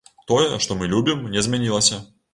Тое, што мы любім, не змянілася.